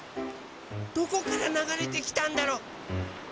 どこからながれてきたんだろう？